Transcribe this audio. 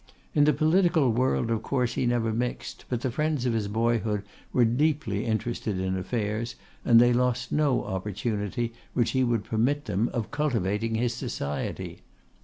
In the political world of course he never mixed, but the friends of his boyhood were deeply interested in affairs, and they lost no opportunity which he would permit them, of cultivating his society.